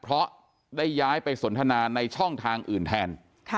เพราะได้ย้ายไปสนทนาในช่องทางอื่นแทน